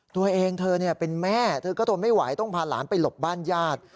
ตัวเองเธอเป็นแม่เธอก็ทนไม่ไหวต้องพาหลานไปหลบบ้านญาติ